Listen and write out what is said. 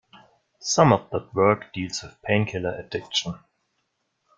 Some of that work deals with pain killer addiction.